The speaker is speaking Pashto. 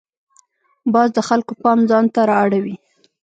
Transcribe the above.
باز د خلکو پام ځان ته را اړوي